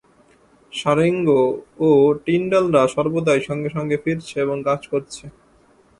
সারেঙ্গ ও টিণ্ডালরা সর্বদাই সঙ্গে সঙ্গে ফিরছে, এবং কাজ করছে।